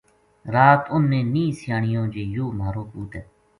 رات انھ نے نیہہ سیانیو جی یوہ مہارو پوت ہے